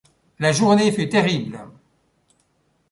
La journée fut terrible